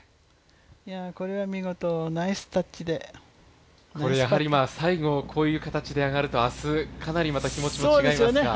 これは見事、ナイスタッチで最後こういう形であがると、明日かなり気持ちも違いますかね。